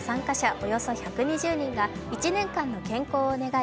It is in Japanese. およそ１２０人が１年間の健康を願い